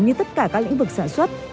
gần như tất cả các lĩnh vực sản xuất